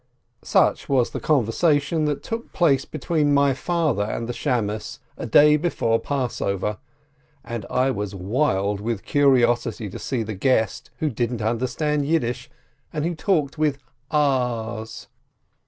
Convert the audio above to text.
Such was the conversation that took place between my father and the beadle, a day before Passover, and I was wild with curiosity to see the "guest" who didn't understand Yiddish, and who talked with a's.